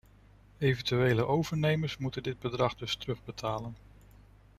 Eventuele overnemers moeten dit bedrag dus terugbetalen.